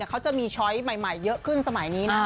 เขาจะมีช้อยใหม่เยอะขึ้นสมัยนี้นะ